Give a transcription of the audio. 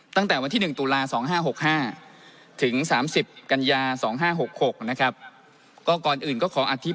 ตั้งแต่วันที่๑ตุลาร์๒๕๖๕ถึง๓๐กรรยาถือกฯ๒๕๖๖นะครับ